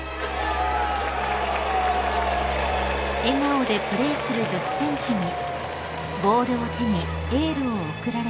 ［笑顔でプレーする女子選手にボールを手にエールを送られた佳子さまです］